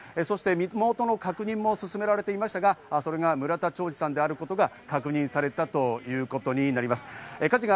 身元の確認も進められていましたが、それが村田兆治さんであることが確認されたということになります。